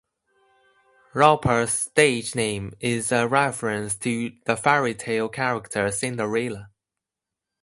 Roper's stage name is a reference to the fairy tale character Cinderella.